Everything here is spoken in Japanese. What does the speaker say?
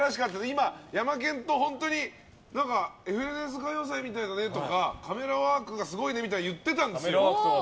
今、ヤマケンと本当に「ＦＮＳ歌謡祭」みたいだねとかカメラワークがすごいねとか言ってたんですよ。